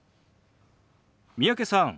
三宅さん